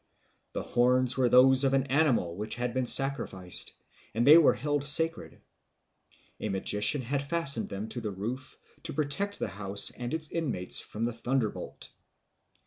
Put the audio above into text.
The horns were those of an animal which had been sacrificed, and they were held sacred. A magician had fastened them to the roof to protect the house and its inmates from the thunder bolt.